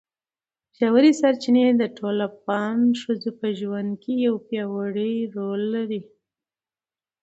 ژورې سرچینې د ټولو افغان ښځو په ژوند کې یو پیاوړی رول لري.